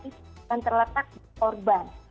itu akan terletak di korban